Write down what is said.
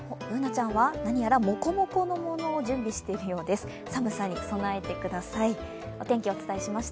Ｂｏｏｎａちゃんは何やらもこもこのものを準備しているようです。